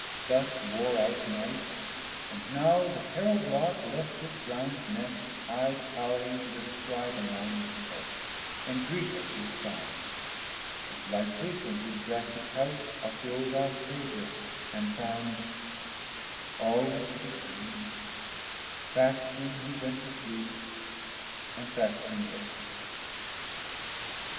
Thus wore out night, and now the Herald Lark Left his ground nest, high towring to descry 280 The morns approach, and greet her with his Song: As lightly from his grassy Couch up rose Our Saviour, and found all was but a dream, Fasting he went to sleep, and fasting wak'd.